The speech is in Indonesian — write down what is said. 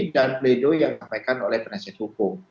dan pledoi yang disampaikan oleh penasihat hukum